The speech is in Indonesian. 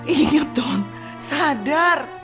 ingat don sadar